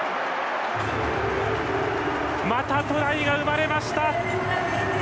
またトライが生まれました！